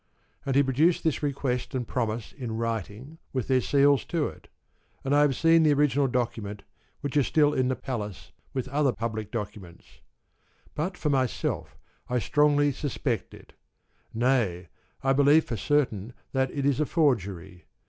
And he produced this request and promise in writing with their seals to it, and I have seen the original document which is still in the Palace, with other public documents ; but for myself I strongly suspect it ; nay, I believe for certain that it is a forgery.